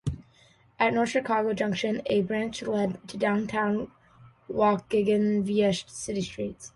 At North Chicago Junction, a branch led to downtown Waukegan via city streets.